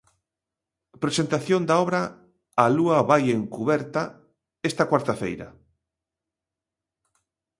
Presentación da obra 'A lúa vai encuberta', esta cuarta feira.